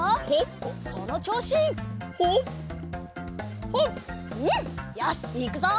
うんよしいくぞ！